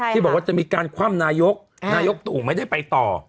ที่บอกว่าจะมีการคว่ำนายกนายกตู่ไม่ได้ไปต่อ